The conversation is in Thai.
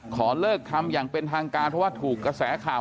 ขอเลิกทำอย่างเป็นทางการเพราะว่าถูกกระแสข่าว